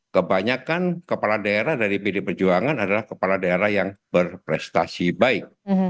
kebanyakan kepala daerah dari pd perjuangan adalah kepala daerah yang berprestasi baik